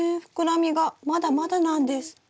膨らみがまだまだなんです。